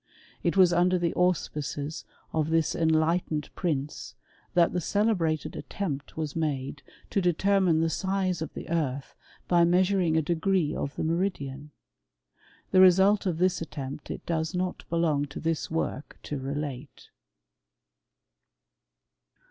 It was under the auspices of this en %htened prince, that the celebrated attempt was made to determine the size of the earth by measuring a r^gree of the meridian. The result of this attempt ^^ does not belong to this work to relate.